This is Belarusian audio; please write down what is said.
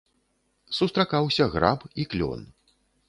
Сустракаўся граб і клён.